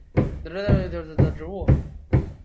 幌伞枫是五加科幌伞枫属的植物。